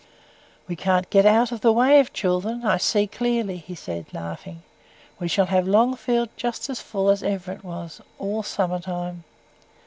"We can't get out of the way of children, I see clearly," he said, laughing. "We shall have Longfield just as full as ever it was, all summer time.